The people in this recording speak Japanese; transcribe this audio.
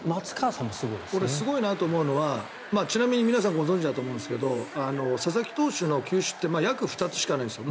俺すごいなと思うのはちなみに皆さんご存じだと思うんですけど佐々木投手の球種って２つしかないんですよ。